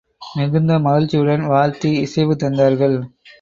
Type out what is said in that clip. மிகுந்த மகிழ்ச்சியுடன் வாழ்த்தி இசைவு தந்தார்கள்.